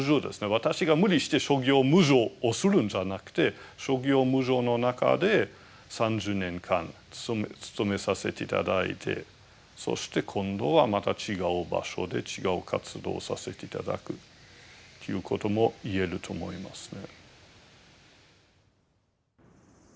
私が無理して諸行無常をするんじゃなくて諸行無常の中で３０年間務めさせて頂いてそして今度はまた違う場所で違う活動をさせて頂くということも言えると思いますね。